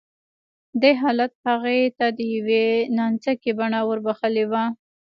دې حالت هغې ته د يوې نانځکې بڼه وربښلې وه